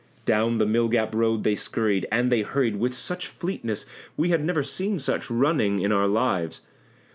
Down the Mill gap road they scurried and they hurried with such fleetness We had never seen such running in our lives!